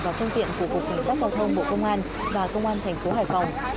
và phương tiện của cục cảnh sát giao thông bộ công an và công an thành phố hải phòng